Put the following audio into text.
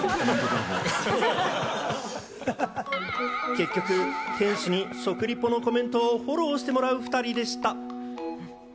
結局、店主に食リポのコメントをフォローをしてもらう２人でした。